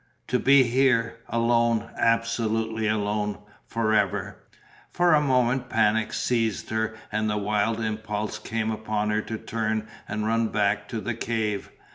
To be here, alone, absolutely alone, forever! For a moment panic seized her and the wild impulse came upon her to turn and run back to the cave.